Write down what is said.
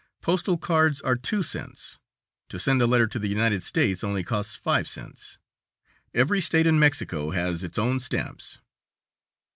Postal cards are two cents; to send a letter to the United States only costs five cents. Every state in Mexico has its own stamps.